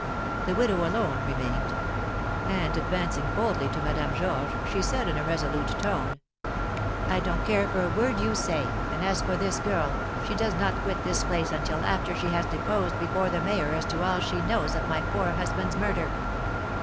The widow alone remained; and, advancing boldly to Madame Georges, she said, in a resolute tone: "I don't care for a word you say; and, as for this girl, she does not quit this place until after she has deposed before the mayor as to all she knows of my poor husband's murder."